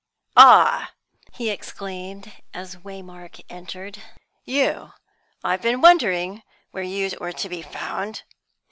"Ah!" he exclaimed, as Waymark entered. "You! I've been wondering where you were to be found."